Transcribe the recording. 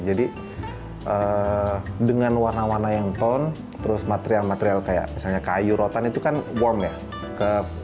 jadi dengan warna warna yang tone terus material material kayak misalnya kayu rotan itu kan warm ya